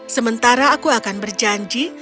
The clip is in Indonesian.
sementara aku akan berjanji